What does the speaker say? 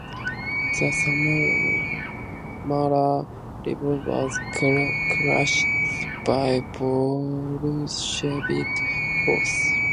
The Samara revolt was crushed by Bolshevik forces.